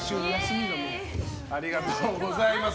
ありがとうございます。